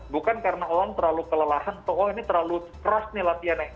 bukan karena orang terlalu kelelahan atau oh ini terlalu keras nih latihannya